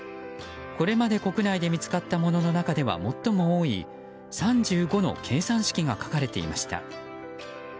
これまで国内で見つかったものの中では最も多い３５の計算式が書かれていました。